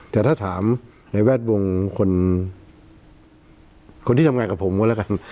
แต่ถ้าถามในแวดวงคนที่ทำงานกับผมก็แล้วกัน